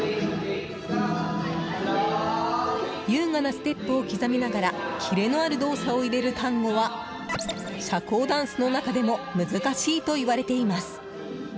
優雅なステップを刻みながらキレのある動作を入れるタンゴは社交ダンスの中でも難しいといわれています。